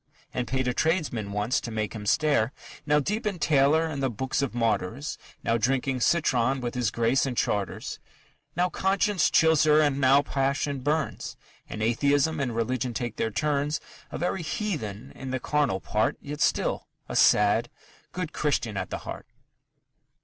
And paid a tradesman once, to make him stare;... Now deep in Taylor and the Book of Martyrs, Now drinking citron with his Grace and Chartres; Now conscience chills her and now passion burns; And atheism and religion take their turns; A very heathen in the carnal part, Yet still a sad, good Christian at the heart.